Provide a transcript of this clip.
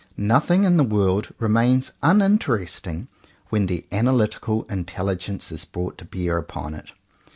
Nothing in the world remains uninteresting when the analytical intelli gence is brought to bear upon it.